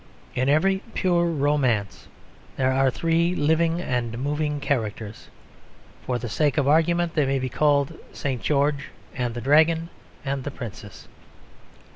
In every pure romance there are three living and moving characters. For the sake of argument they may be called St. George and the Dragon and the Princess.